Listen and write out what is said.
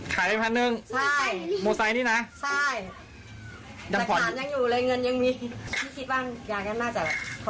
ขายไป๑๐๐๐บาทใช่มูซัยนี่นะใช่